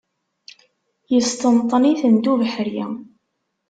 Yesṭenṭen-itent ubeḥri.